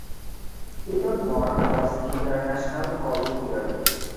To the north was international colliery.